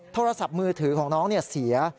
โทรศัพท์มือถือของน้องเสีย